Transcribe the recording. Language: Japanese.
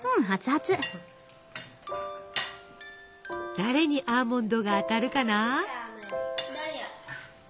誰にアーモンドが当たるかな？